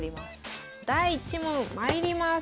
第１問まいります。